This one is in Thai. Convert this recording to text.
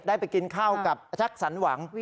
ได้ไปกินข้าวกับชักสรรหวัง